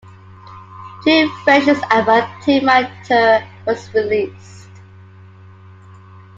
Two versions of "Antimatter" were released.